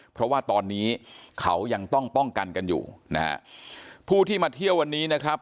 เพราะว่าตอนนี้เขายังต้องป้องกันกันอยู่นะฮะผู้ที่มาเที่ยววันนี้นะครับ